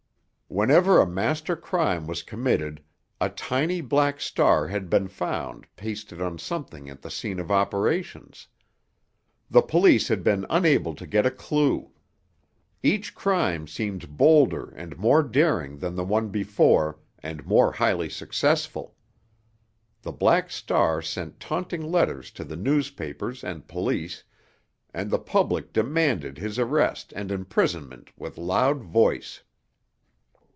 Whenever a master crime was committed a tiny black star had been found pasted on something at the scene of operations. The police had been unable to get a clew. Each crime seemed bolder and more daring than the one before, and more highly successful. The Black Star sent taunting letters to the newspapers and police, and the public demanded his arrest and imprisonment with loud voice.